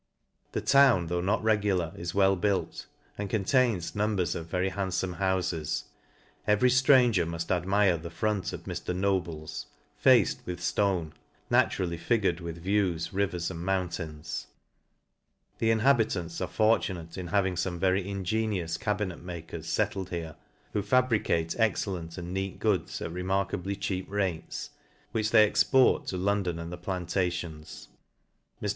The town, though not regular, is well built, and con tains numbers of very handfome houies. Every ftrartger muft admire the front of Mr. Noble's^ faced with (lone, naturally figured with views, rivers, and mountains. The inhabitants are fortunate in having fome very ingenious cabinet makers fettled here, who fabricate excellent and neat goods at re markably cheap rates, which they export to Londo? and the plantations. Mr.